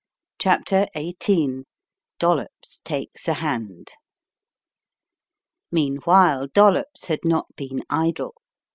CHAPTER XVm DOLLOPS TAKES A BAND MEANWHILE Dollops had not been idle.